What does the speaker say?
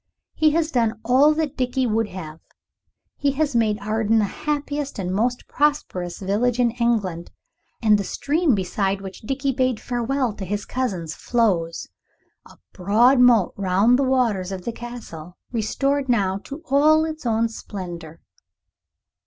He has done all that Dickie would have done. He has made Arden the happiest and most prosperous village in England, and the stream beside which Dickie bade farewell to his cousins flows, a broad moat round the waters of the Castle, restored now to all its own splendor.